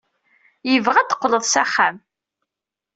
Yebɣa ad d-teqqleḍ s axxam.